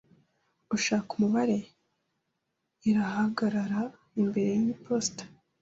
Ushaka Umubare . Irahagarara imbere yiposita.